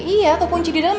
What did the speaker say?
iya kekunci di dalam